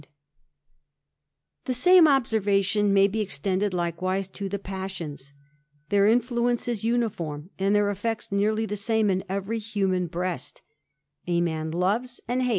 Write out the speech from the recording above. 236 THE ADVENTURER, The same observation may be extended likewise to f passions : their influence is uniform, and their effects neai the same in every human breast : a man loves and hat.